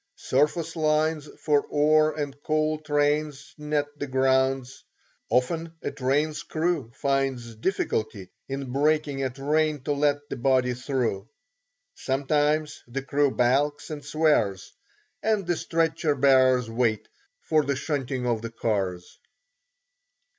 Surface lines for ore and coal trains net the grounds. Often a train's crew finds difficulty in breaking a train to let the body through; sometimes the crew balks and swears, and the stretcher bearers wait for the shunting of the cars.